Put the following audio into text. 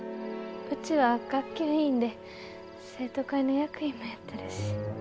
うちは学級委員で生徒会の役員もやってるし。